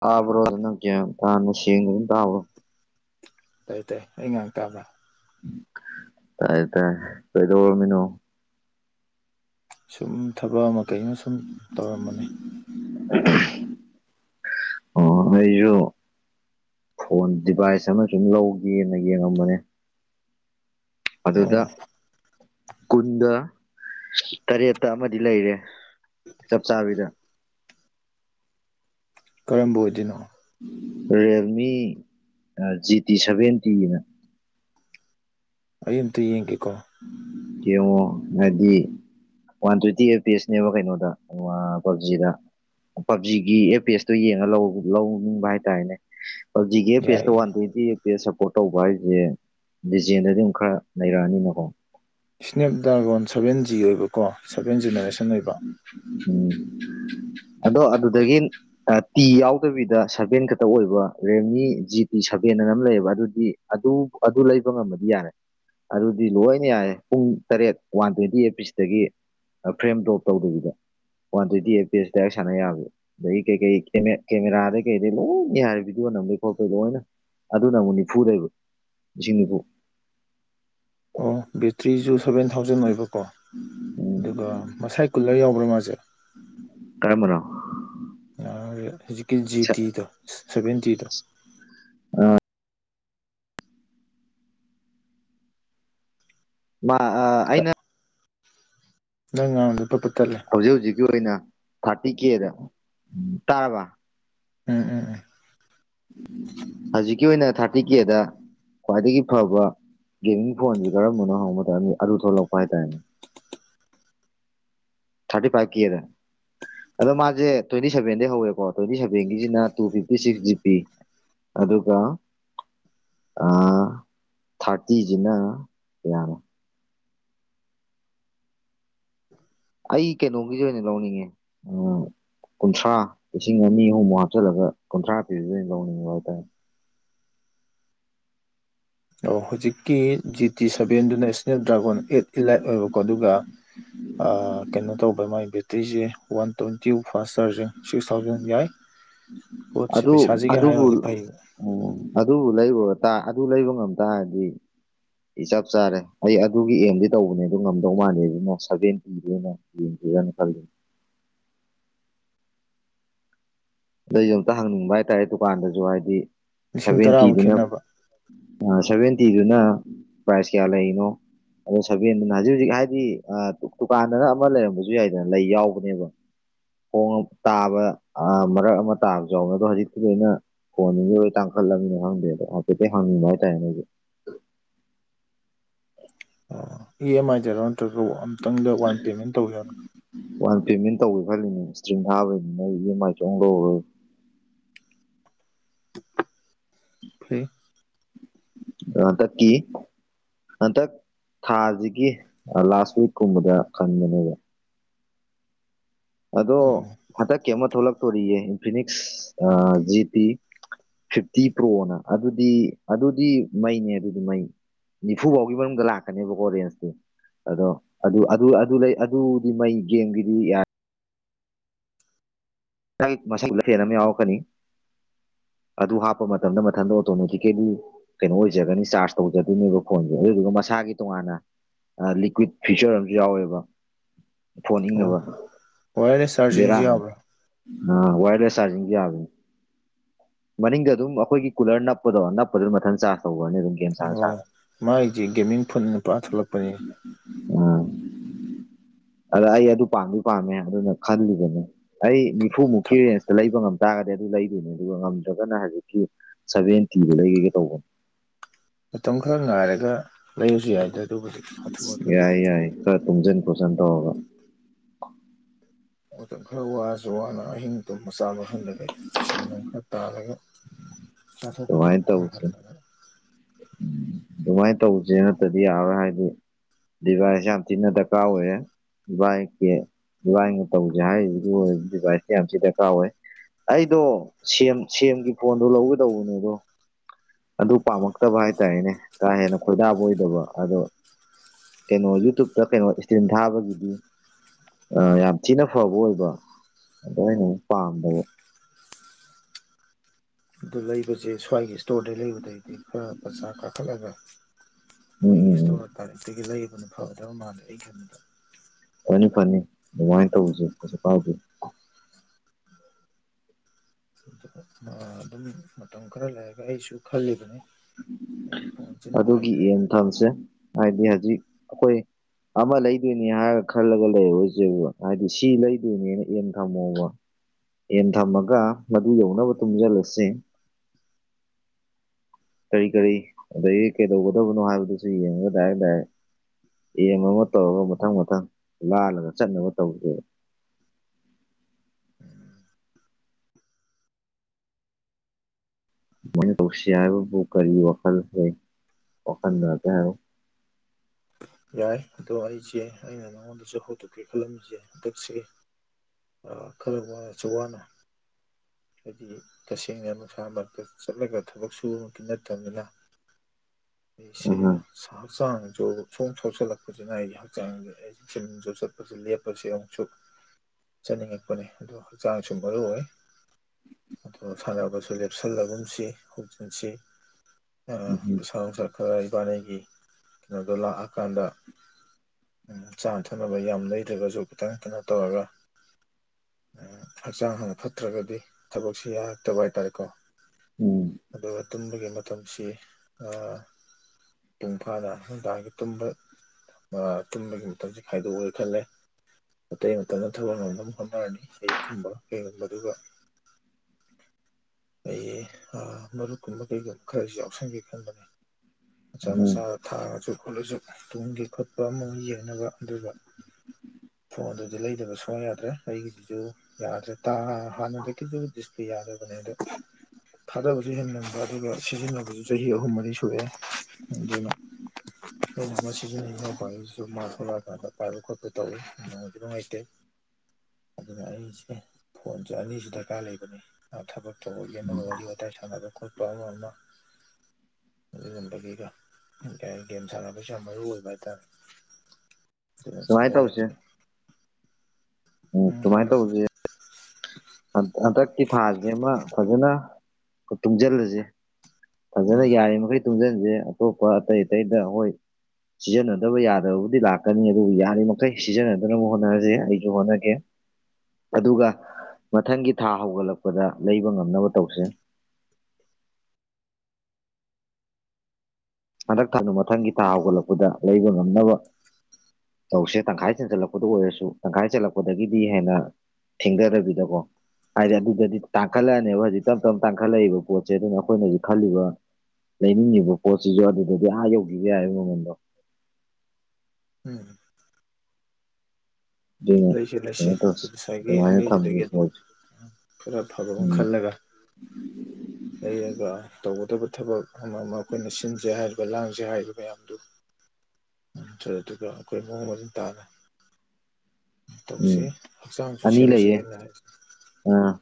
ꯇꯕꯔꫭ ꯐꯖꯅ ꯒꯤꯌꯟ ꯇꯥꯅ ꯁꯦꯡꯅ ꯑꯗꯨꯝ ꯇꯕꯔꫭ ꯇꯥꯏ ꯇꯥꯏ ꯑꯩ ꯉꯥꯡꯕ ꯇꯥꯕ꯭ꯔꯥ ꯇꯥꯏ ꯇꯥꯏ ꯀꯩꯗꯔꯃꯤꯅꯣ ꯁꯨꯝ ꯊꯕꯛ ꯑꯃ ꯀꯩꯅ ꯑꯃ ꯁꯨꯝ ꯇꯧꯔꯝꯕꯅꯦ ꯑꯣ ꯑꯩꯖꯨ ꯐꯣꯟ ꯗꯤꯚꯥꯏꯁ ꯑꯃ ꯁꯨꯝ ꯂꯧꯒꯦꯅ ꯌꯦꯡꯉꯝꯕꯅꯦ ꯑꯣ ꯑꯗꯨꯗ ꯀꯨꯟꯒ ꯇꯔꯦꯠꯇ ꯑꯃꯗꯤ ꯂꯩꯔꯦ ꯆꯞ ꯆꯥꯕꯤꯗ ꯀꯔꯝꯕ ꯑꯣꯏꯗꯣꯏꯅꯣ ꯔꯤꯌꯦꯜꯃꯤ ꯖꯤ ꯇꯤ ꯁꯚꯦꯟꯇꯤꯅ ꯑꯩ ꯑꯃꯝꯇ ꯌꯦꯡꯒꯦꯀꯣ ꯌꯦꯡꯉꯣ ꯍꯥꯏꯗꯤ ꯋꯥꯟ ꯇ꯭ꯋꯦꯟꯇꯤ ꯑꯦ ꯄꯤ ꯑꯦꯁꯅꯦꯕ ꯀꯩꯅꯣꯗ ꯄꯞꯖꯤꯗ ꯄꯞꯖꯤꯒꯤ ꯑꯦꯞ ꯄ ꯑꯦꯁꯇꯣ ꯌꯦꯡꯉ ꯂꯧꯅꯤꯡꯕ ꯍꯥꯏꯇꯥꯔꯅꯦ ꯄꯞꯖꯤꯒꯤ ꯑꯦꯞ ꯄꯁꯇꯣ ꯌꯥꯏꯌꯦ ꯋꯥꯟ ꯇ ꯑ ꯑꯦꯛꯇꯦ ꯁꯞꯄꯣꯔꯠ ꯇꯧꯕ ꯍꯥꯏꯖꯦ ꯂꯤꯖꯦꯟꯗꯗꯤ ꯑꯃꯨꯛ ꯈꯔ ꯂꯩꯔꯛꯑꯅꯤꯅꯀꯣ ꯁꯅꯦꯞ ꯗ꯭ꯔꯥꯒꯣꯟ ꯁꯚꯦꯟ ꯖꯤ ꯑꯣꯏꯕꯀꯣ ꯁꯚꯦꯟ ꯖꯤ ꯅꯔꯦꯁꯟ ꯑꯣꯏꯕ ꯎꯝ ꯑꯗꯣ ꯑꯗꯨꯗꯒꯤ ꯇꯤ ꯌꯥꯎꯗꯕꯤꯗ ꯁꯚꯦꯟ ꯈꯛꯇ ꯑꯣꯏꯕ ꯔꯦꯜꯃꯤ ꯖꯤ ꯇꯤ ꯁꯚꯦꯟ ꯑꯅ ꯑꯃ ꯂꯩꯌꯦꯕ ꯑꯗꯨꯗꯤ ꯑꯗꯨ ꯑꯗꯨ ꯂꯩꯕ ꯉꯃꯗꯤ ꯌꯥꯔꯦ ꯑꯗꯨ ꯑꯗꯨꯗꯤ ꯂꯣꯏꯅ ꯌꯥꯔꯦ ꯄꯨꯡ ꯇꯔꯦꯠ ꯋꯥꯟ ꯇ꯭ꯋꯦꯟꯇꯤ ꯑꯦꯠ ꯄꯁꯤꯗꯒꯤ ꯐ꯭ꯔꯦꯝ ꯇꫭꯞ ꯇꯧꯗꯕꯤꯗ ꯋꯥꯟ ꯇ꯭ꯋꯦꯟꯇꯤ ꯑꯦꯠ ꯄꯦꯖꯇ ꯗꯥ ꯁꯥꯟꯅ ꯌꯥꯕꯤꯗ ꯑꯗꯒꯤ ꯀꯩꯀꯩ ꯀꯦꯃꯦꯔꯥꯗꯩ ꯀꯩꯗꯩ ꯂꯣꯏ ꯌꯥꯔꯦ ꯚꯤꯗꯤꯑꯣ ꯅꯝꯗꯩ ꯈꯣꯠꯄꯩ ꯂꯣꯏꯅ ꯑꯗꯨꯅ ꯑꯃꯨꯛ ꯅꯤꯐꯨꯗ ꯂꯩꯕ ꯂꯤꯁꯤꯡ ꯅꯤꯐꯨ ꯕꯦꯇ꯭ꯔꯤꯁꯨ ꯁꯚꯦꯟ ꯊꯥꯎꯖꯟ ꯑꯣꯏꯕꯀꯣ ꯑꯗꯨꯒ ꯃꯁꯥꯏ ꯀꯨꯂꯔ ꯌꯥꯎꯕ꯭ꯔꯥ ꯃꯥꯖꯦ ꯀꯔꯝꯕꯅꫭ ꯌꯥꯔꯔꫭꯏ ꯍꯧꯖꯤꯛꯀꯤ ꯖꯤ ꯇꯤꯗꫭ ꯁꯦꯚꯦꯟꯇꯤꯗꫭ ꯑ ꯃꯥ ꯑꯥ ꯑꯩꯅ ꯅꯪ ꯉꯥꯡꯉꯤꯗꫭ ꯄꯠ ꯄꯠ ꯇꯠꯂꯦ ꯍꯧꯖꯤꯛ ꯍꯧꯖꯤꯛꯀꯤ ꯑꯣꯏꯅ ꯊꯥꯔꯇꯤ ꯀꯦꯗ ꯇꯥꯔꯕ ꯎꯝ ꯎꯝ ꯎꯝ ꯍꯧꯖꯤꯛꯀꯤ ꯑꯣꯏꯅ ꯊꯥꯔꯇꯤ ꯀꯦꯗ ꯈ꯭ꯋꯥꯏꯗꯒꯤ ꯐꯕ ꯒꯦꯃꯤꯡ ꯐꯣꯟꯁꯤ ꯀꯔꯝꯕꯅꯣ ꯍꯪꯎꯕ ꯃꯇꯝꯗ ꯑꯗꯨ ꯊꯣꯛꯂꯛꯄ ꯍꯥꯏꯇꯥꯔꯦꯅꯦ ꯊꯥꯔꯇꯤ ꯐꯚ ꯀꯦꯗ ꯑꯗꯣ ꯃꯥꯁꯦ ꯇ꯭ꯋꯦꯟꯇꯤ ꯁꯚꯦꯟꯗꯩ ꯍꯧꯋꯦꯀꯣ ꯇ꯭ꯋꯦꯟꯇꯤ ꯁꯚꯦꯟꯒꯤꯁꯤꯅ two fifty six G B ꯑꯗꯨꯒꯥ ꯑꯥ ꯊꯥꯔꯇꯤꯖꯤꯅ ꯌꯥꯔꯦ ꯑꯩ ꯀꯩꯅꯣꯒꯤꯖꯦ ꯑꯣꯏꯅ ꯂꯧꯅꯤꯡꯉꯦ ꯎꯝ ꯀꯨꯟꯊ꯭ꯔꯥ ꯂꯤꯁꯤꯡ ꯑꯅꯤ ꯑꯍꯨꯝꯃꯨꯛ ꯍꯥꯞꯆꯤꯜꯂꯒ ꯀꯨꯟꯊ꯭ꯔꯥ ꯄꯤꯕꯗ ꯑꯣꯏꯅ ꯂꯧꯅꯤꯡꯕ ꯍꯥꯏꯇꯥꯔꯦ ꯑꯣ ꯍꯧꯖꯤꯛꯀꯤ ꯖꯤ ꯇꯤ ꯁꯚꯦꯟꯗꯨ ꯅꯦꯁꯅꯦꯜ ꯗ꯭ꯔꯥꯒꯣꯟ ꯑꯦꯠ ꯏꯂꯥꯏꯠ ꯑꯣꯏꯕꯀꯣ ꯑꯗꯨꯒ ꯑꯥ ꯀꯩꯅꯣ ꯇꯧꯕ ꯃꯥꯒꯤ ꯕꯦꯇ꯭ꯔꯤꯁꯦ one twenty fast charging six thousand ꯌꯥꯏ ꯄꯣꯠꯁꯦ ꯄꯩꯁꯥꯖꯤꯒ ꯍꯥꯏꯔꯨꯔꯗꯤ ꯐꯩꯕ ꯎꯝ ꯑꯗꯨꯕꯨ ꯂꯩꯔꯨ ꯇꯥ ꯑꯗꯨ ꯂꯩꯕ ꯉꯝ ꯇꯥꯔꯗꯤ ꯏ ꯆꯞ ꯆꯥꯔꯦ ꯑꯩ ꯑꯗꯨꯒꯤ ꯑꯦꯝꯗꯤ ꯇꯧꯕꯅꯦ ꯑꯗꯨ ꯉꯝꯗꯧ ꯃꯥꯥꯟꯗꯦ ꯑꯗꯨꯅ ꯁꯚꯦꯟꯇꯤꯗꯨ ꯑꯣꯏꯅ ꯌꯦꯡꯖꯤꯔꯅ ꯈꯜꯂꯤꯅꯤ ꯑꯗ ꯑꯩꯖꯨ ꯑꯝꯇ ꯍꯪꯅꯤꯡꯕ ꯍꯥꯏꯇꯥꯔꯦ ꯗꯨꯀꯥꯟꯗꯁꯨ ꯍꯥꯏꯗꯤ ꯂꯤꯁꯤꯡ ꯇꯔꯥꯃꯨꯛ ꯁꯚꯦꯟꯇꯤꯗꯨꯅ ꯈꯦꯠꯅꯕ ꯑ ꯁꯦꯚꯦꯟꯇꯤꯗꯨꯅ ꯄ꯭ꯔꯥꯏꯖ ꯀꯌꯥ ꯂꯩꯔꯤꯅꯣ ꯑꯗ ꯁꯕꯦꯟꯗꯨꯅ ꯍꯧꯖꯤꯛ ꯍꯧꯖꯤꯛ ꯍꯥꯏꯗꯤ ꯑ ꯗꯨ ꯗꯨꯀꯥꯟꯗꯅ ꯑꯃ ꯂꯩꯔꯝꯕꯁꯨ ꯌꯥꯏꯗꯅ ꯂꯩ ꯌꯥꯎꯕꯅꯦꯕ ꯍꯣꯡꯉꯛ ꯇꯥꯕ ꯑꯥ ꯃꯔꯛ ꯑꯃ ꯇꯥꯕꯖꯨ ꯌꯥꯎꯕꯅꯤ ꯑꯗꯣ ꯍꯧꯖꯤꯛꯇꯤ ꯂꯣꯏꯅ ꯐꯣꯟꯅꯨꯡꯖꯨ ꯂꯣꯏ ꯇꯥꯡꯈꯠꯂꯃꯤꯅ ꯈꯪꯗꯦ ꯑꯗꯣ ꯍꯥꯏꯐꯦꯠꯇꯤ ꯍꯪꯅꯤꯡꯕ ꯍꯥꯏꯇꯥꯔꯦꯅꯦ ꯑꯩꯖꯨ ꯑꯣ ꯏ ꯑꯦꯝ ꯑꯥꯏ ꯗꯔꯣ ꯅꯠꯇ꯭ꯔꯒ ꯋꯥ ꯑꯝꯇꯪꯗ ꯋꯥꯟ ꯄꯦꯃꯦꯟ ꯇꯧꯒꯦ ꯍꯥꯏꯔꯣ ꯋꯥꯟ ꯄꯦꯃꯦꯟ ꯇꯧꯒꯦ ꯈꯜꯂꯤꯅꯦ ꯏꯁꯇ꯭ꯔꯤꯝ ꯊꯥꯕꯩꯅꯤꯅ ꯑꯩ ꯏ ꯑꯦꯝ ꯃꯥꯏ ꯆꯣꯡ ꯂꯧꯔꯔꯣꯏ ꯐꯩ ꯗꯥ ꯍꯟꯇꯛꯀꯤ ꯍꯟꯇꯛ ꯊꯥꯖꯤꯒꯤ ꯂꯥꯁ ꯋꯤꯛꯀꯨꯝꯕꯗ ꯈꯟꯕꯅꯦꯕ ꯑꯗꯣ ꯑꯣ ꯍꯟꯇꯛꯀꯤ ꯑꯃ ꯊꯣꯛꯂꯛꯇꯣꯔꯤꯌꯦ ꯏꯟꯐꯤꯅꯤꯛꯁ ꯑꯥ ꯖꯤ ꯇꯤ ꯐꯤꯐꯇꯤ ꯄ꯭ꯔꯣꯅ ꯑꯗꯨꯗꯤ ꯑꯗꯨꯗꯤ ꯃꯩꯅꯦ ꯑꯗꯨꯗꯤ ꯃꯩ ꯅꯤꯐꯨ ꯕꯥꯎꯒꯤ ꯃꯅꯨꯡꯗ ꯂꯥꯛꯀꯅꯦꯕꯀꯣ ꯔꯦꯟꯁꯇꯤ ꯑꯗꯣ ꯑꯗꯨ ꯑꯗꯨ ꯑꯗꯨ ꯂꯩ ꯑꯗꯨꯗꯤ ꯃꯩ ꯒꯦꯝꯒꯤꯗꯤ ꯌꯥ ꯃꯁꯥꯏ ꯃꯁꯥꯒꯤ ꯀꯨꯂꯔ ꯐꯦꯟ ꯑꯃ ꯌꯥꯎꯔꯛꯀꯅꯤ ꯑꯗꯨ ꯍꯥꯞꯄ ꯃꯇꯝꯗ ꯃꯊꯟꯗ ꯑꯣꯇꯣꯃꯦꯇꯤꯀꯦꯜꯂꯤ ꯀꯩꯅꯣ ꯑꯣꯏꯖꯒꯅꯤ ꯆꯥꯔꯖ ꯇꯧꯖꯗꯣꯏꯅꯦꯕ ꯐꯣꯟꯖꯦ ꯑꯗꯨꯗꯨꯒ ꯃꯁꯥꯒꯤ ꯇꯣꯉꯥꯟꯅ ꯂꯤꯀ꯭ꯋꯤꯠ ꯐꯤꯌꯨꯆꯔ ꯑꯃꯁꯨ ꯌꯥꯎꯋꯦꯕ ꯐꯣꯟ ꯑ ꯏꯪꯅꯕ ꯋꯥꯌꯔꯦꯁ ꯕꯦꯔꯥꯅꯦ ꯑꯥ ꯋꯥꯌꯔꯂꯦꯁ ꯆꯥꯔꯖꯤꯡꯖꯨ ꯌꯥꯕꯅꯤ ꯃꯅꯤꯡꯗ ꯑꯗꯨꯝ ꯑꯈꯣꯏꯒꯤ ꯀꯨꯂꯔ ꯅꯞꯄꯗꯣ ꯅꯞꯄꯗꯨꯗ ꯃꯊꯟ ꯆꯥꯔꯖ ꯇꯧꯒ꯭ꯔꯅꯤ ꯑꯗꯨꯝ ꯒꯦꯝ ꯎꯪ ꯁꯥꯔ ꯑꯣ ꯁꯥꯔ ꯃꯥꯏꯖꯦ ꯒꯦꯃꯤꯡ ꯐꯣꯟ ꯑꯣꯏꯅ ꯄꯨꯔꯥ ꯊꯣꯛꯂꯛꯄꯅꯦ ꯎꯝ ꯑꯗ ꯑꯩ ꯑꯗꯨ ꯄꯥꯝꯗꯤ ꯄꯥꯝꯃꯦ ꯑꯗꯨꯅ ꯈꯜꯂꯤꯕꯅꯤ ꯑꯩ ꯅꯤꯐꯨꯃꯨꯛꯀꯤ ꯔꯦꯟꯖꯇ ꯂꯩꯕ ꯉꯝ ꯇꯥꯔꯒꯗꯤ ꯑꯗꯨ ꯂꯩ ꯑꯗꯨꯏꯅꯦ ꯑꯗꯨꯒ ꯉꯝꯗ꯭ꯔꯒꯅ ꯍꯧꯖꯤꯛꯀꯤ ꯁꯚꯦꯟ ꯇꯤꯗꯣ ꯂꯩꯔꯒꯦ ꯇꯧꯕꯅꯦ ꯃꯇꯝ ꯈꯔ ꯉꯥꯏꯔꯒ ꯂꯩꯔꯁꯨ ꯌꯥꯏꯗ ꯑꯗꯨꯕꯨꯗꯤ ꯍꯥꯊꯨ ꯌꯥꯏ ꯍꯥꯊꯨꯗꯁꯨ ꯌꯥꯏ ꯈꯔ ꯇꯨꯝꯖꯟ ꯈꯣꯠꯆꯟ ꯇꯧꯔꯒ ꯃꯇꯝ ꯈꯔ ꯋꯥꯔꯖꯨ ꯋꯥꯅ ꯑꯍꯤꯡ ꯇꯨꯝꯕꯥ ꯆꯥꯕ ꯈꯪꯗꯒꯩ ꯂꯧꯁꯤꯟꯕ ꯉꯝꯗꯕ ꯇꯥꯔꯒ ꯆꯥꯊꯣꯛ ꯈꯣꯠꯇꯣꯛꯄ ꯈꯔ ꯍꯜꯂꯒ ꯑꯗꯨꯃꯥꯏ ꯇꯧꯖꯦ ꯅꯠꯇ꯭ꯔꯗꯤ ꯌꯥꯔꯔꯣꯏ ꯍꯥꯏꯗꯤ ꯗꯤꯚꯥꯏꯁꯦ ꯌꯥꯝ ꯊꯤꯅ ꯗꯔꯀꯥ ꯑꯣꯏꯔꯦ ꯏꯕꯥꯅꯤꯛꯀꯤ ꯏꯕꯥꯅꯤꯛꯅ ꯇꯧꯁꯦ ꯍꯥꯏꯔꯤꯗꯨ ꯑꯣꯏꯔꯗꯤ ꯗꯤꯚꯥꯏꯁꯇꯤ ꯌꯥꯝ ꯊꯤ ꯗꯔꯀꯥꯔ ꯑꯣꯏ ꯑꯩꯗꯣ ꯁꯦꯝ ꯁꯦꯝꯒꯤ ꯐꯣꯟꯗꯣ ꯂꯧꯒꯗꯧꯕꯅꯦ ꯑꯗꯣ ꯑꯗꯨ ꯄꯥꯝꯃꯛꯇꯕ ꯍꯥꯏꯇꯥꯔꯦꯅꯦ ꯀꯥ ꯍꯦꯟꯅ ꯈꯣꯏꯗꯥꯕ ꯑꯣꯏꯗꯕ ꯑꯗꯣ ꯀꯩꯅꯣ ꯌꯨꯇꯨꯕꯇ ꯀꯩꯅꯣ ꯏꯁꯇ꯭ꯔꯤꯝ ꯊꯥꯕꯒꯤꯗꯤ ꯑ ꯌꯥꯝ ꯊꯤꯅ ꯐꯕ ꯑꯣꯏꯕ ꯑꯗꯣ ꯑꯩꯅꯃꯨꯛ ꯄꯥꯝꯗꯕ ꯑꯗꯨ ꯂꯩꯕꯁꯦ ꯁ꯭ꯋꯥꯏꯒꯤ ꯏꯁꯇꯣꯔꯗꯩ ꯂꯩꯕꯗꯩꯗꯤ ꯈꯔ ꯕꯖꯥꯔ ꯀꯥꯈꯠꯂꯒ ꯎꯝ ꯃꯣꯏꯒꯤ ꯎꯝ ꯎꯝ ꯏꯁꯇꯣꯔ ꯗꯥꯏꯔꯦꯛꯇꯒꯤ ꯂꯩꯕꯅ ꯐꯒꯗꯕ ꯃꯥꯜꯂꯦ ꯑꯩ ꯈꯟꯕꯗ ꯐꯅꯤ ꯐꯅꯤ ꯑꯗꯨꯃꯥꯏ ꯇꯧꯖꯤ ꯍꯧꯖꯤꯛ ꯐꯥꯎꯒꯤ ꯑꯗꯨꯒ ꯃꯥ ꯑꯗꯨꯝ ꯃꯇꯝ ꯈꯔ ꯂꯩꯔꯒ ꯑꯩꯁꯨ ꯈꯜꯂꯤꯕꯅꯤ ꯑꯩꯒꯤ ꯐꯣꯟꯁꯦ ꯑꯗꯨꯒꯤ ꯅꯨꯡꯉꯥꯏꯇ꯭ꯔꯦꯗꯅ ꯎꯝ ꯑꯈꯣꯏ ꯑꯃ ꯂꯩꯗꯣꯏꯅꯤ ꯍꯥꯏꯔꯒ ꯈꯜꯂꯒ ꯂꯩꯔꯔꯣꯏꯁꯦꯕ ꯍꯥꯏꯗꯤ ꯁꯤ ꯂꯩꯗꯣꯏꯅꯦꯅ ꯑꯦꯟ ꯊꯝꯃꯣꯕ ꯑꯦꯝ ꯊꯝꯃꯒ ꯃꯗꯨ ꯌꯧꯅꯕ ꯇꯨꯝꯖꯜꯂꯁꯤ ꯀꯔꯤ ꯀꯔꯤ ꯑꯗꯒꯤ ꯀꯩꯗꯧꯒꯗꯕꯅꯣ ꯍꯥꯏꯕꯗꯨꯁꯨ ꯌꯦꯡꯉꯒ ꯗꯥꯏꯔꯦꯛ ꯗꯥꯏꯔꯦꯛ ꯑꯦꯝ ꯑꯃ ꯇꯧꯔꯒ ꯃꯊꯪ ꯃꯊꯪ ꯂꯥꯜꯂꯒ ꯆꯠꯅꯕ ꯇꯧꯁꯦꯕ ꯁꯨꯅꯥꯏꯅ ꯇꯧꯁꯤ ꯍꯥꯏꯕꯕꯨ ꯀꯔꯤ ꯋꯥꯈꯜ ꯂꯩ ꯋꯥꯈꯜꯗꯨ ꯍꯥꯏꯐꯦꯠ ꯍꯥꯏꯔꯛꯑꯣ ꯌꯥꯏ ꯑꯗꯣ ꯑꯩꯁꯦ ꯑꯩꯅ ꯅꯉꯣꯟꯗꯁꯨ ꯍꯧꯗꯣꯛꯀꯦ ꯈꯂꯝꯃꯤꯁꯦ [unintelligible] ꯑ ꯈꯔ ꯋꯥꯔꯁꯨ ꯋꯥꯅ ꯍꯥꯏꯗꯤ ꯇꯁꯦꯡꯅ ꯅꯨꯡꯁꯥ ꯃꯔꯛꯇ ꯆꯠꯂꯒ ꯊꯕꯛ ꯁꯨꯕꯃꯛꯇꯤ ꯅꯠꯇꯕꯅꯤꯅ ꯑꯩꯁꯦ ꯎꯝ ꯍꯛꯆꯥꯡꯖꯨ ꯁꯨꯝ ꯁꯣꯛꯁꯜꯂꯛꯄꯖꯤꯅ ꯑꯩꯖꯦ ꯍꯛꯆꯥꯡꯁꯦ ꯑꯩ ꯖꯤꯝꯖꯨ ꯆꯠ ꯂꯦꯞꯄꯁ ꯑꯃꯨꯛꯁꯨ ꯆꯥꯅꯤꯡꯉꯛꯄꯅꯦ ꯑꯗꯣ ꯍꯛꯆꯥꯡꯁꯨ ꯃꯔꯨ ꯑꯣꯏ ꯑꯗꯨꯒ ꯁꯥꯟꯅꯕꯁꯨ ꯂꯦꯞꯁꯤꯜꯂꯒꯨꯝꯁꯤ ꯍꯧꯖꯤꯟꯁꯤ ꯎꯝ ꯄꯩꯁꯥ ꯅꯨꯡꯁꯥ ꯈꯔ ꯏꯕꯥꯅꯤꯒꯤ ꯀꯩꯅꯣꯗꯣ ꯂꯥꯛꯑꯀꯥꯟꯗ ꯆꯥꯅ ꯊꯛꯅꯕ ꯌꯥꯝ ꯂꯩꯇ꯭ꯔꯒꯁꯨ ꯈꯤꯇꯪꯈꯤꯅ ꯇꯧꯔꯒ ꯍꯛꯆꯥꯡ ꯍꯥꯟꯅ ꯐꯠꯇ꯭ꯔꯒꯗꯤ ꯊꯕꯛꯁꯤ ꯌꯥꯔꯛꯇꯕ ꯍꯥꯏꯇꯥꯔꯦꯀꯣ ꯎꯝ ꯑꯗꯨꯒ ꯇꯨꯝꯕꯒꯤ ꯃꯇꯝꯁꯤ ꯑ ꯃꯄꯨꯡ ꯐꯥꯅ ꯍꯪꯇꯥꯒꯤ ꯇꯨꯝꯕ ꯃ ꯇꯨꯝꯕꯒꯤ ꯃꯇꯝꯁꯦ ꯈꯥꯏꯗꯣꯛꯑꯦ ꯈꯜꯂꯦ꯫ ꯑꯇꯩ ꯃꯇꯝꯗ ꯊꯕꯛ ꯉꯝꯅꯕ ꯍꯣꯠꯅꯔꯅꯤ ꯑꯌꯨꯛꯀꯨꯝꯕ ꯀꯩꯒꯨꯝꯕꯗꯨꯒ ꯑꯩ ꯑ ꯃꯔꯨꯞꯀꯨꯝꯕ ꯀꯩꯒꯨꯝ ꯈꯔꯁꯨ ꯌꯥꯎꯁꯟꯒꯦ ꯈꯟꯕꯅꯤ ꯃꯆꯥ ꯎꯝ ꯃꯆꯥꯗꯣ ꯊꯥꯛꯑꯁꯨ ꯈꯣꯠꯂꯁꯨ ꯇꯨꯡꯒꯤ ꯈꯣꯠꯄ ꯑꯃꯃꯨꯛ ꯌꯦꯡꯅꯕ ꯑꯗꯨꯒ ꯐꯣꯟꯗꯨꯗꯤ ꯂꯩꯗꯕ ꯁꯨꯡꯌꯥ ꯌꯥꯗ꯭ꯔꯦ ꯑꯩꯒꯤꯁꯤꯁꯨ ꯌꯥꯗ꯭ꯔꯦ ꯇꯥ ꯍꯥ ꯍꯥꯟꯅꯗꯒꯤꯁꯨ ꯄꯨ ꯌꯥꯗꯕꯅꯦ ꯑꯗ ꯊꯥꯗꯕꯁꯨ ꯍꯦꯟꯃꯟꯕ ꯑꯗꯨꯒ ꯁꯤꯖꯤꯟꯅꯕꯁꯨ ꯆꯍꯤ ꯑꯍꯨꯝ ꯃꯔꯤ ꯁꯨꯔꯛꯑꯦ ꯑꯗꯨꯅ ꯑꯃ ꯃꯁꯤꯖꯤꯟꯅꯅꯤ ꯃꯥ ꯊꯣꯛꯂꯛꯑꯀꯥꯟꯗ ꯄꯥꯏꯕ ꯈꯣꯠꯄ ꯇꯧꯋꯤ ꯅꯨꯡꯗꯤ ꯅꯨꯡꯉꯥꯏꯇꯦ [unintelligible] ꯑꯗꯨꯅ ꯑꯩꯁꯦ ꯐꯣꯟꯁꯨ ꯑꯅꯤꯁꯨ ꯗꯔꯀꯥꯔ ꯂꯩ ꯊꯕꯛ ꯇꯧꯕꯒꯤ ꯑꯃꯒ ꯋꯥꯔꯤ ꯋꯥꯇꯥꯏ ꯁꯥꯟꯅꯕ ꯈꯣꯠꯄ ꯑꯃ ꯑꯃ ꯑꯗꯨꯒꯨꯝꯕꯒꯤꯒ ꯀꯩ ꯍꯥꯏ ꯒꯦꯝ ꯁꯥꯟꯅꯕꯩꯁꯨ ꯌꯥꯝ ꯃꯔꯨ ꯑꯣꯏꯕ ꯍꯥꯏꯇꯥꯔꯦ [inaudible] [unintelligible] ꯁꯨꯃꯥꯏꯅ ꯂꯩꯔꯗꯤꯅꯦ ꯃꯣꯛ ꯁꯨꯃꯥꯏꯅ ꯍꯥꯏꯔꯣ ꯇꯧꯖꯦ ꯍꯟꯗꯛꯀꯤ ꯊꯥꯁꯦ ꯑꯃ ꯐꯖꯅ ꯇꯨꯡꯖꯜꯂꯁꯦ ꯎꯝ ꯐꯖꯅ ꯌꯥꯔꯤ ꯃꯈꯩ ꯇꯨꯡꯁꯤꯟꯁꯦ ꯑꯇꯣꯞꯄ ꯑꯇꯩ ꯑꯇꯩꯗ ꯍꯣꯏ ꯁꯤꯖꯤꯟꯅꯗꯕ ꯌꯥꯗꯕꯕꯨꯗꯤ ꯂꯥꯛꯀꯅꯤ ꯑꯗꯨꯕꯨ ꯌꯥꯔꯤꯃꯩ ꯁꯤꯖꯤꯟꯅꯗꯅꯕ ꯍꯣꯠꯅꯔꯁꯦ ꯑꯩꯁꯨ ꯍꯣꯠꯅꯒꯦ ꯑꯗꯨꯒ ꯃꯊꯪꯒꯤ ꯊꯥ ꯍꯧꯒꯠꯂꯛꯄꯗ ꯂꯩꯕ ꯉꯝꯅꯕ ꯇꯧꯁꯦ ꯍꯟꯗꯛ ꯊꯅ ꯃꯊꯪꯒꯤ ꯊꯥ ꯍꯧꯒꯠꯂꯛꯄꯗ ꯂꯩꯕ ꯉꯝꯅꯕ ꯇꯧꯁꯦ ꯇꯪꯈꯥꯏ ꯆꯦꯟꯖꯜꯂꯛꯄꯗ ꯑꯣꯏꯔꯁꯨ ꯇꯪꯈꯥꯏ ꯆꯜꯂꯛꯄꯗꯒꯤꯗꯤ ꯍꯦꯟꯅ ꯊꯦꯡꯗ ꯗꯕꯤꯗꯀꯣ ꯍꯥꯏꯗꯤ ꯑꯗꯨꯗꯗꯤ ꯇꯥꯡꯈꯠꯂꯛꯑꯅꯦꯕ ꯍꯧꯖꯤꯛ ꯇꯞ ꯇꯞꯅ ꯇꯥꯡꯈꯠꯂꯛꯏꯕ ꯄꯣꯠꯁꯦ ꯑꯗꯨꯅ ꯑꯩꯈꯣꯏꯅ ꯍꯧꯖꯤꯛ ꯈꯜꯂꯤꯕ ꯂꯩꯅꯤꯡꯉꯤꯕ ꯄꯣꯠꯁꯤꯁꯨ ꯑꯗꯨꯗꯗꯤ ꯑꯥ ꯌꯧꯒꯤꯕ ꯌꯥꯏꯕ ꯃꯃꯟꯗꯣ ꯎꯝ ꯑꯗꯨꯅ ꯂꯩꯁꯦ ꯂꯩꯁꯦ ꯀꯩꯅꯣ ꯇꯧꯁꯤ ꯉꯁꯥꯏꯒꯤ ꯑꯗꯨꯃꯥꯏꯅ ꯊꯝꯁꯤ ꯑꯅꯤꯗꯨꯗꯒꯤ ꯑꯗꯨꯝ ꯄꯣꯠꯁꯦ ꯈꯔ ꯐꯕ ꯑꯃ ꯎꯝ ꯈꯜꯂꯒ ꯂꯩꯔꯒ ꯇꯧꯒꯗꯕ ꯊꯕꯛ ꯑꯃ ꯑꯃ ꯑꯩꯈꯣꯏꯅ ꯁꯤꯟꯁꯦ ꯍꯥꯏꯔ ꯑꯗꯨꯒ ꯂꯥꯡꯁꯦ ꯍꯥꯏꯔꯤꯕ ꯃꯌꯥꯝꯗꯨ ꯅꯠꯇ ꯑꯗꯨꯒ ꯑꯩꯈꯣꯏ ꯃꯑꯣꯡ ꯃꯔꯤꯟ ꯇꯥꯅ ꯇꯧꯁꯦ ꯎꯝ ꯍꯛꯆꯥꯡꯁꯨ ꯑꯅꯤ ꯂꯩꯌꯦ ꯁꯦꯝꯁꯦꯅ ꯍꯥ ꯑꯥ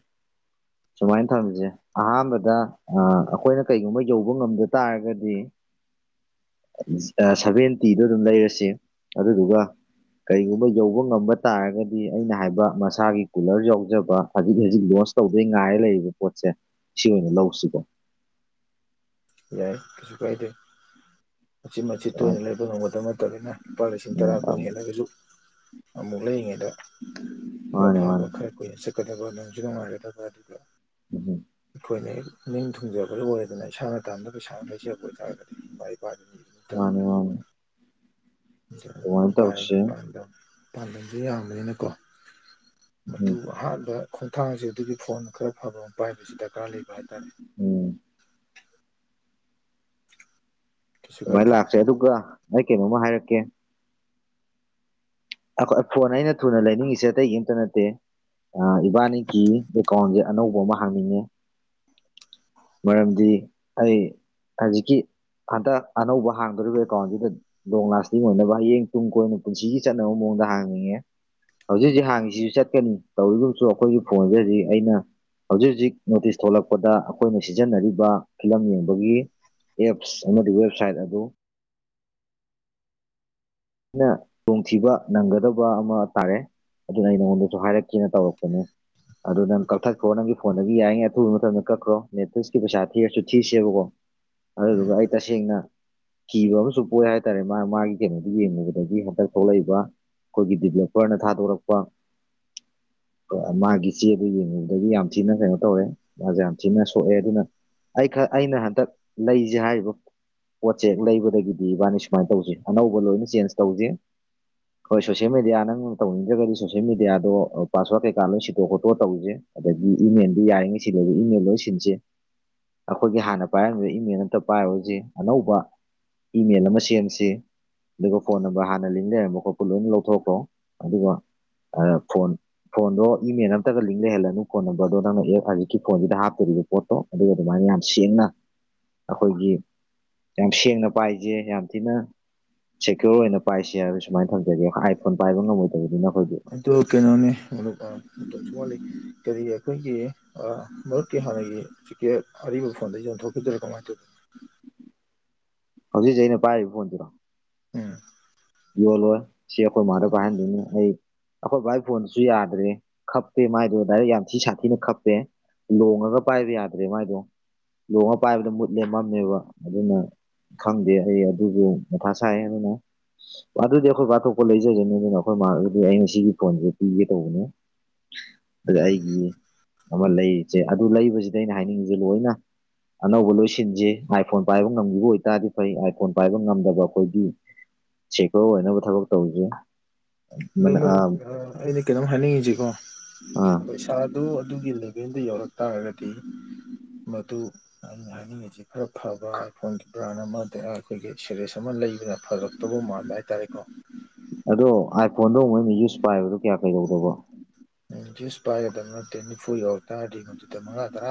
ꯁꯨꯃꯥꯏꯅ ꯊꯝꯖꯦ ꯑꯍꯥꯟꯕꯗ ꯑꯩꯈꯣꯏꯅ ꯀꯩꯒꯨꯝꯕ ꯌꯧꯕ ꯉꯝꯗ ꯇꯥꯔꯒꯗꯤ ꯁꯚꯦꯟꯇꯤꯗ ꯑꯗꯨꯝ ꯂꯩꯔꯁꯤ ꯑꯗꯨꯗꯨꯒ ꯀꯔꯤꯒꯨꯝꯕ ꯌꯧꯕ ꯉꯝꯕ ꯇꯥꯔꯒꯗꯤ ꯑꯩꯅ ꯍꯥꯏꯕ ꯃꯁꯥꯒꯤ ꯀꯨꯂꯔ ꯌꯥꯎꯖꯕ ꯍꯧꯖꯤꯛ ꯍꯧꯖꯤꯛ ꯂꯣꯟꯁ ꯇꯧ ꯑꯗꯩ ꯉꯥꯏꯔ ꯂꯩꯔꯤꯕ ꯄꯣꯠꯁꯦ ꯁꯤ ꯑꯣꯏꯅ ꯂꯧꯁꯤꯀꯣ ꯌꯥꯏ ꯀꯩꯁꯨ ꯀꯥꯏꯗꯦ꯫ ꯃꯆꯤꯟ ꯃꯆꯤꯠ ꯁꯨꯃꯥꯏꯅ ꯇꯣꯏꯅ ꯇꯧ ꯂꯩꯕ ꯉꯝꯃꯣꯢꯗꯝꯗꯕ ꯅꯠꯇꯗꯅ ꯂꯨꯄꯥ ꯂꯤꯁꯤꯡ ꯇꯔꯥ ꯎꯝ ꯀꯨꯟ ꯍꯦꯜꯂꯒꯁꯨ꯫ ꯑꯃꯨꯛ ꯂꯩꯔꯤꯉꯩꯗ ꯄꯣꯠ ꯃꯥꯅꯦ ꯐꯕ ꯃꯥꯅꯦ ꯈꯔ ꯑꯩꯈꯣꯏꯅ ꯆꯠꯀꯗꯕ ꯅꯨꯡꯁꯨ ꯅꯨꯡꯉꯥꯏꯒꯗꯕ ꯑꯗꯨꯒ ꯎꯝ ꯑꯩꯈꯣꯏꯅ ꯍꯦꯛ ꯅꯤꯡ ꯊꯨꯡꯖꯕ ꯑꯣꯏꯔꯦꯗꯅ ꯏꯁꯥꯅ ꯇꯥꯟꯕ ꯄꯩꯁꯥꯅ ꯂꯩꯖꯕ ꯑꯣꯏꯇꯥꯔꯒꯗꯤ ꯏꯃꯥ ꯏꯄꯥꯗ ꯅꯤꯕ ꯅꯠꯇꯥ ꯃꯥꯅꯦ ꯃꯥꯅꯦ ꯑꯗꯨꯃꯥꯏꯅ ꯕꯥꯏꯒꯤ ꯇꯧꯁꯦ ꯄꯥꯟꯗꯝ ꯄꯥꯟꯗꯝꯁꯦ ꯌꯥꯝꯕꯅꯤꯅꯀꯣ ꯎꯝ ꯃꯗꯨ ꯑꯍꯥꯟꯕ ꯈꯣꯡꯊꯥꯡꯁꯦ ꯑꯗꯨꯒꯤ ꯐꯣꯟ ꯈꯔ ꯐꯕ ꯑꯃ ꯄꯥꯏꯕꯁꯤ ꯗꯔꯀꯥꯔ ꯂꯩꯕ ꯍꯥꯏꯇꯥꯔꯦ꯫ ꯑꯝ ꯀꯩꯁꯨ ꯑꯗꯨꯃꯥꯏꯅ ꯀꯥꯏꯗꯦ ꯂꯥꯛꯁꯦ ꯑꯗꯨꯒ ꯅ ꯀꯩꯅꯣꯝꯃ ꯍꯥꯏꯔꯛꯀꯦ ꯈ ꯐꯣꯟ ꯑꯩꯅ ꯊꯨꯅ ꯂꯩꯅꯤꯡꯉꯤꯁꯦ ꯑꯇꯩꯒꯤ ꯑꯝꯇ ꯅꯠꯇꯦ ꯏꯕꯥꯅꯤꯒꯤ ꯑꯦꯀꯥꯎꯟꯁꯦ ꯑꯅꯧꯕ ꯑꯃ ꯍꯥꯡꯅꯤꯡꯉꯦ ꯃꯔꯝꯗꯤ ꯑꯩ ꯍꯧꯖꯤꯛꯀꯤ꯫ ꯍꯟꯇꯛ ꯑꯅꯧꯕ ꯍꯥꯡꯗꯣꯔꯤꯕ ꯑꯦꯀꯥꯎꯟꯗꯨꯗ ꯂꯣꯡ ꯂꯥꯁꯇꯤꯡ ꯑꯣꯏꯅꯕ ꯍꯌꯦꯡ ꯇꯨꯡ ꯀꯣꯏꯅ ꯄꯨꯟꯁꯤꯒꯤ ꯆꯠ [unintelligible] ꯍꯥꯡꯉꯦꯍꯦ ꯍꯧꯖꯤꯛ ꯍꯧꯖꯤꯛ ꯍꯥꯡꯉꯤꯁꯤꯁꯨ ꯆꯠꯀꯅꯤ ꯇꯧꯔꯤꯒꯨꯝꯕꯁꯨꯡ ꯑꯩꯈꯣꯏꯒꯤ ꯐꯣꯟꯁꯦ ꯍꯧꯖꯤꯛ ꯑꯩꯅ ꯍꯧꯖꯤꯛ ꯍꯧꯖꯤꯛ ꯅꯣꯇꯤꯁ ꯊꯣꯛꯂꯛꯄꯗ ꯑꯩꯈꯣꯏꯅ ꯁꯤꯖꯤꯟꯅꯔꯤꯕ ꯐꯤꯂꯝ ꯌꯦꯡꯕꯒꯤ ꯑꯦꯞꯁ ꯑꯃꯗꯤ ꯋꯦꯕꯁꯥꯏꯠ ꯑꯗꯨ ꯅ ꯗꯣꯡꯊꯤꯕ ꯅꯪꯒꯗꯕ ꯑꯃ ꯇꯥꯔꯦ꯫ ꯑꯗꯨꯅ ꯑꯩ ꯅꯉꯣꯟꯗꯁꯨ ꯍꯥꯏꯔꯛꯀꯦꯅ ꯇꯧꯔꯛꯄꯅꯦ ꯑꯗꯨ ꯅꯪ ꯀꯛꯊꯠꯈ꯭ꯔꯣ ꯅꯪꯒꯤ ꯐꯣꯟꯗꯒꯤ ꯌꯥꯏꯔꯤꯉꯩ ꯑꯊꯨꯕ ꯃꯇꯝꯗ ꯀꯛꯈ꯭ꯔꯣ ꯅꯦꯠꯐ꯭ꯂꯤꯛꯁꯀꯤ ꯄꯩꯁꯥ ꯊꯤꯔꯁꯨ ꯊꯤꯁꯦꯕꯀꯣ ꯑꯗꯨꯗꯨꯒ ꯎꯝ ꯑꯩ ꯇꯁꯦꯡꯅ ꯀꯤꯕ ꯑꯃꯁꯨ ꯄꯣꯛꯑꯦ ꯍꯥꯏꯇꯥꯔꯦ ꯃꯥ ꯃꯥꯒꯤ ꯀꯩꯅꯣꯗꯣ꯫ ꯌꯦꯡꯉꯨꯕꯗꯒꯤ ꯍꯟꯗꯛ ꯊꯣꯛꯂꯛꯏꯕ ꯑꯩꯈꯣꯏꯒꯤ ꯗꯤꯕꯂꯞꯄꯔꯅ ꯊꯥꯗꯣꯔꯛꯄ ꯀ ꯃꯥꯒꯤ ꯆꯦꯗꯣ ꯌꯦꯡꯉꯨꯕꯗꯒꯤ ꯌꯥꯝ ꯊꯤꯅ ꯀꯩꯅꯣ ꯇꯧꯔꯦ ꯃꯥꯖꯦ ꯌꯥꯝ ꯊꯤꯅ ꯁꯣꯛꯑꯦ ꯑꯗꯨꯅ ꯑꯩ ꯈ ꯑꯩꯅ ꯍꯟꯗꯛ ꯂꯩꯁꯦ ꯍꯥꯏꯔꯤꯕ ꯄꯣꯠꯁꯦ ꯍꯦꯛ ꯂꯩꯕꯗꯒꯤꯗꯤ ꯏꯕꯥꯅꯤ ꯁꯨꯃꯥꯏꯅ ꯇꯧꯁꯦ ꯑꯅꯧꯕ ꯂꯣꯏꯅ ꯆꯦꯟꯖ ꯇꯧꯁꯤ ꯍꯣꯏ ꯁꯣꯁꯦꯜ ꯃꯦꯗꯤꯌꯥ ꯅꯪ ꯇꯧꯅꯤꯡꯗ꯭ꯔꯒꯗꯤ ꯁꯣꯁꯦꯜ ꯃꯦꯗꯤꯌꯥꯗꯣ ꯄꯥꯁꯋꯥꯔꯗ ꯀꯩꯀꯥ ꯂꯣꯏ ꯁꯤꯟꯇꯣꯛ ꯈꯣꯠꯇꯣꯛ ꯇꯧꯁꯦ ꯑꯗꯒꯤ ꯏꯃꯦꯜꯗꯤ ꯌꯥꯔꯤꯉꯩ ꯁꯤꯗꯕ ꯏꯃꯦꯜ ꯂꯣꯏ ꯁꯤꯟꯁꯦ ꯑꯩꯈꯣꯏꯒꯤ ꯍꯥꯟꯅ ꯄꯥꯏꯔꯝꯃꯤ ꯏꯃꯦꯜ ꯅꯠꯇ ꯄꯥꯏꯔꯁꯤ ꯑꯅꯧꯕ ꯏꯃꯦꯜ ꯑꯃ ꯁꯦꯝꯁꯤ ꯑꯗꯨꯒ ꯐꯣꯟ ꯅꯝꯕꯔ ꯍꯥꯟꯅ ꯂꯤꯡ ꯂꯩꯔꯝꯕ ꯈꯣꯠꯄ ꯂꯣꯏꯅ ꯂꯧꯊꯣꯛꯈꯣ ꯑꯗꯨꯒ ꯐꯣꯟ ꯐꯣꯟꯗꯣ ꯏꯃꯦꯜ ꯑꯝꯇꯒ ꯂꯤꯡ ꯂꯩꯍꯜꯂꯅꯨ ꯐꯣꯟ ꯅꯝꯕꯔꯗꯣ ꯅꯪꯅ ꯑꯦꯞ ꯍꯧꯖꯤꯛꯀꯤ ꯐꯣꯟꯗꯨꯗ ꯍꯥꯞꯇꯣꯔꯤꯕ ꯄꯣꯠꯇꯣ ꯑꯗꯨꯒ ꯑꯗꯨꯃꯥꯏꯅ ꯌꯥꯝ ꯁꯦꯡꯅ ꯑꯩꯈꯣꯏꯒꯤ ꯌꯥꯝ ꯁꯦꯡꯅ ꯄꯥꯏꯁꯦ ꯌꯥꯝ ꯊꯤꯅ ꯁꯦꯀ꯭ꯌꯣꯔ ꯑꯣꯏꯅ ꯄꯥꯏꯁꯦ ꯍꯥꯏꯕ ꯁꯨꯃꯥꯏꯅ ꯊꯝꯖꯒꯦ ꯑꯥꯏ ꯐꯣꯟ ꯄꯥꯏꯕ ꯉꯝꯃꯣꯏꯗꯕꯅꯤꯅ꯫ ꯑꯩꯈꯣꯏꯗꯤ ꯍꯧꯖꯤꯛ ꯑꯗꯨ ꯀꯩꯅꯣꯅꯦ ꯃꯔꯨꯞ ꯑ ꯃꯇꯝꯁꯨ ꯋꯥꯠꯂꯤ ꯀꯔꯤ ꯑꯩꯈꯣꯏꯒꯤ ꯃꯔꯨꯞꯀꯤ ꯍꯥꯟꯅꯒꯤ ꯆꯤꯀꯦꯠ ꯑꯔꯤꯕ ꯐꯣꯟꯗꯣ ꯌꯣꯟꯊꯣꯛꯈꯤꯗꯣ ꯀꯃꯥꯏꯅ ꯇꯧꯒꯦ ꯍꯧꯖꯤꯛ ꯍꯧꯖꯤꯛ ꯑꯩꯅ ꯄꯥꯏꯔꯤ ꯐꯣꯟꯖꯤꯔꯣ꯫ ꯎꯝ ꯌꯣꯜꯂꯣꯢ ꯁꯤ ꯑꯈꯣꯏ ꯃꯥꯗ ꯄꯥꯏꯍꯟꯗꯣꯏꯅꯦ ꯑꯩ ꯑꯈꯣꯏ ꯕꯥꯥꯏ ꯐꯣꯟꯗꯨꯁꯨ ꯌꯥꯗ꯭ꯔꯦ ꯈꯞꯄꯦ ꯃꯥꯏꯗꯣ ꯗꯥꯏꯔꯦꯛ ꯌꯥꯝ ꯊꯤ ꯁꯥꯊꯤꯅ ꯈꯞꯄꯦ꯫ ꯂꯣꯡꯉꯒ ꯄꯥꯏꯕ ꯌꯥꯗ꯭ꯔꯦ ꯃꯥꯏꯗꯣ ꯂꯣꯡꯉꯒ ꯄꯥꯏꯕꯗ ꯃꯨꯠꯂꯦ ꯃꯝꯃꯦꯕ ꯑꯗꯨꯅ꯫ ꯈꯪꯗꯦ ꯑꯩ ꯑꯗꯨꯕꯨ ꯃꯊꯥ ꯁꯥꯏ ꯑꯗꯨꯅ ꯑꯗꯨꯗꯤ ꯑꯩꯈꯣꯏ ꯑꯇꯣꯞꯄ ꯂꯩꯖꯁꯤꯅꯤ ꯑꯗꯨꯅ ꯑꯩꯈꯣꯏ ꯃꯥ ꯑꯗꯨꯗꯤ ꯑꯩꯅ ꯁꯤꯒꯤ ꯐꯣꯟꯁꯦ ꯄꯤꯒꯦ ꯇꯧꯕꯅꯦ ꯑꯗ ꯎꯝ ꯑꯩꯒꯤ ꯑꯃ ꯂꯩꯔꯤꯁꯦ ꯑꯗꯨ ꯂꯩꯕꯁꯤꯗ ꯑꯩꯅ ꯍꯥꯏꯅꯤꯡꯉꯤꯁꯦ ꯂꯣꯏꯅ ꯑꯅꯧꯕ ꯂꯣꯏꯁꯤꯟꯖꯦ ꯑꯥꯏ ꯐꯣꯟ ꯄꯥꯏꯕ ꯉꯝꯈꯤꯕ ꯑꯣꯏꯇꯥꯔꯗꯤ ꯐꯩ ꯑꯥꯏ ꯐꯣꯟ ꯄꯥꯏꯕ ꯉꯝꯗꯕ ꯑꯩꯈꯣꯏꯒꯤ ꯁꯦꯀ꯭ꯌꯣꯔ ꯑꯣꯏꯅꯕ ꯊꯕꯛ ꯇꯧꯁꯔꯤ ꯑꯗꯣ ꯃꯔꯨꯞ ꯑ ꯑꯩꯅ ꯀꯩꯅꯣꯝ ꯍꯥꯏꯅꯤꯡꯉꯁꯤꯀꯣ꯫ ꯑꯥ ꯄꯩꯁꯥꯗꯨ ꯑꯗꯨꯒꯤ ꯂꯦꯚꯦꯜꯗ ꯌꯧꯔꯛ ꯇꯥꯔꯒꯗꯤ ꯃꯗꯨ ꯑꯩꯅ ꯍꯥꯏꯅꯤꯡꯉꯤꯁꯤ ꯈꯔ ꯐꯕ ꯑꯥꯏꯐꯣꯟꯒꯤ ꯕ꯭ꯔꯥꯟ ꯑꯃꯗꯩꯔ ꯑꯩꯈꯣꯏꯒꯤ ꯁꯦꯔꯤꯁ ꯑꯃ ꯂꯩꯕꯅ ꯐꯔ ꯇꯧꯕ ꯃꯥꯜꯂꯦ ꯍꯥꯏꯇꯥꯔꯦꯀꯣ ꯑꯗꯣ ꯑꯥꯏꯐꯣꯟꯗꯣ ꯑꯃꯨꯛ ꯑꯩꯅ ꯌꯨꯁ ꯄꯥꯏꯕꯗꯣ ꯀꯌꯥ ꯀꯩꯗꯧꯗꯕ ꯅꯪ ꯌꯨꯁ ꯄꯥꯏꯒꯗꯕ ꯅꯠꯇꯦ ꯅꯤꯐꯨ ꯌꯧꯔꯠꯇꯔꯥꯗꯤ ꯃꯗꯨꯗ ꯃꯉꯥ ꯇꯔꯥ